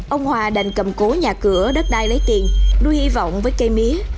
ông hòa đành cầm cố nhà cửa đất đai lấy tiền nuôi hy vọng với cây mía